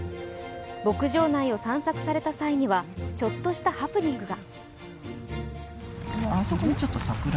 牧場内を散策された際には、ちょっとしたハプニングが。